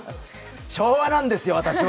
昭和なんですよ、私は。